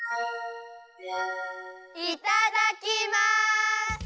いただきます！